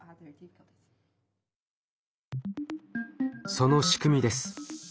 その仕組みです。